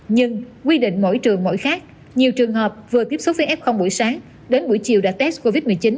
nhưng quy định mỗi trường mỗi khác nhiều trường hợp vừa tiếp xúc với f buổi sáng đến buổi chiều đã test covid một mươi chín